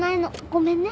ごめんね。